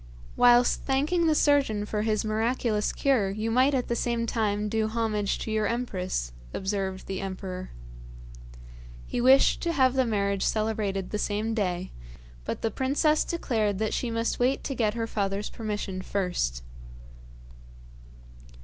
'Whilst thanking the surgeon for his miraculous cure, you might at the same time do homage to your empress,' observed the emperor. He wished to have the marriage celebrated the same day, but the princess declared that she must wait to get her father's permission first.